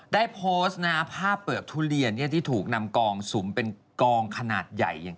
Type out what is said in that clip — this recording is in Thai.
ได้โพสต์ภาพเปลือกทุเรียนที่ถูกนำกองสุมเป็นกองขนาดใหญ่อย่าง